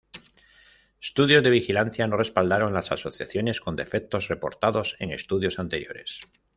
Estudios de vigilancia no respaldaron las asociaciones con defectos reportados en estudios anteriores.